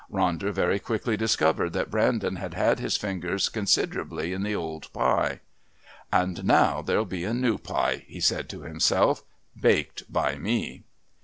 Ronder very quickly discovered that Brandon had had his fingers considerably in the old pie. "And now there'll be a new pie," he said to himself, "baked by me."...